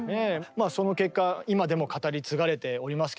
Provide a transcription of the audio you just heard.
その結果今でも語り継がれておりますけどね